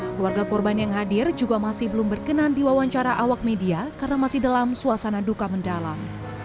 keluarga korban yang hadir juga masih belum berkenan di wawancara awak media karena masih dalam suasana duka mendalam